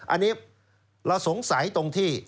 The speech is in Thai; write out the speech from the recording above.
อันนี้เราสงสัยตรงที่